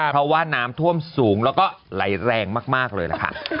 เพราะว่าน้ำท่วมสูงแล้วก็ไหลแรงมากเลยล่ะค่ะ